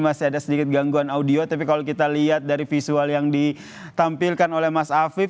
masih ada sedikit gangguan audio tapi kalau kita lihat dari visual yang ditampilkan oleh mas afif